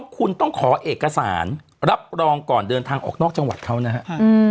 คุณต้องขอเอกสารรับรองก่อนเดินทางออกนอกจังหวัดเขานะครับ